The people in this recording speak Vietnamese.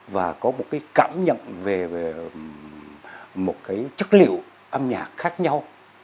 và có một cái cảm nhận về một cái chất liệu âm nhạc khác nhau